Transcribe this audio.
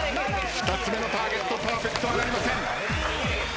２つ目のターゲットパーフェクトなりません。